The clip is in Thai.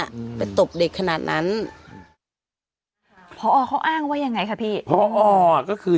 อืมไปตบเด็กขนาดนั้นพอเขาอ้างว่ายังไงคะพี่พอก็คือ